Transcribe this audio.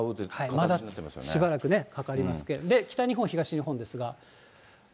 まだしばらくね、かかりますけど、北日本、東日本ですが。